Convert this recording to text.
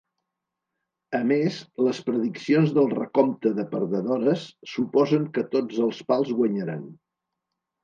A més, les prediccions del recompte de perdedores suposen que tots els pals guanyaran.